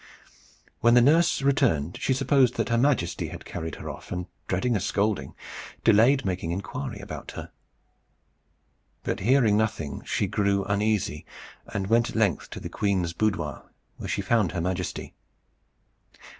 When the nurse returned, she supposed that her Majesty had carried her off, and, dreading a scolding, delayed making inquiry about her. But hearing nothing, she grew uneasy, and went at length to the queen's boudoir, where she found her Majesty.